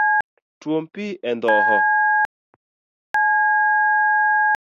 Twom pi e ndoho.